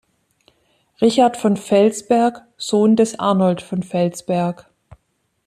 Richard von Felsberg, Sohn des Arnold von Felsberg.